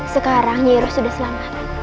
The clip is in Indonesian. sekarang nyi iroh sudah selamat